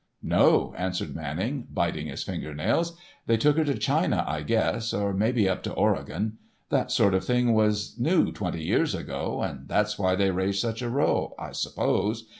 "No," answered Manning, biting his fingernails. "They took her to China, I guess, or may be up to Oregon. That sort of thing was new twenty years ago, and that's why they raised such a row, I suppose.